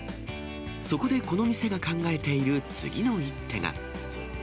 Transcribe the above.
そこでこの店が考えている次の一手が。